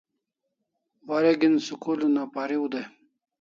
Wareg'in school una pariu dai